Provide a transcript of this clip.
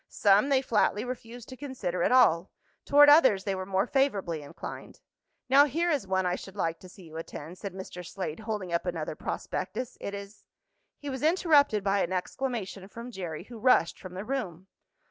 Some they flatly refused to consider at all. Toward others they were more favorably inclined. "Now here is one I should like to see you attend," said Mr. Slade, holding up another prospectus. "It is " He was interrupted by an exclamation from Jerry, who rushed from the room.